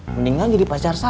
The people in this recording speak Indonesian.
mendingan jadi pacar saya